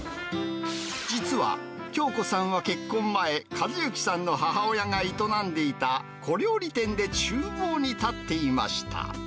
実は京子さんは結婚前、和幸さんの母親が営んでいた小料理店でちゅう房に立っていました。